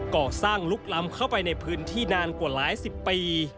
ก่อสร้างลุกล้ำเข้าไปในพื้นที่นานกว่าหลายสิบปี